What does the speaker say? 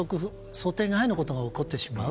想定外のことが起こってしまう。